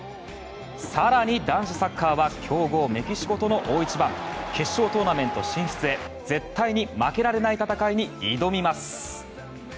更に、男子サッカーは強豪メキシコとの大一番。決勝トーナメント進出へ絶対に負けられない戦いに挑みます。